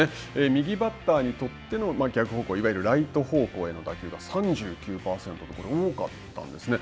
右バッターにとっての逆方向、いわゆるライト方向への打球が、３９％と多かったんですね。